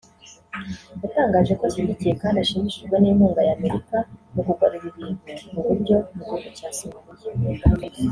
yatangaje ko ashyigikiye kandi ashimishijwe n’inkunga ya Amerika mu kugarura ibintu mu buryo mu gihugu cya Somaliya